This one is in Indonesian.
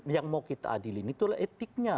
yang mau kita adilin itulah etiknya